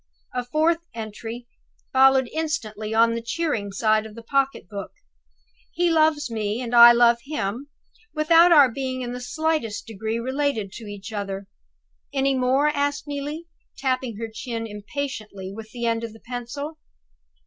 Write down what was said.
'" A fourth entry followed instantly on the cheering side of the pocket book: "He loves me, and I love him without our being in the slightest degree related to each other. Any more?" asked Neelie, tapping her chin impatiently with the end of the pencil.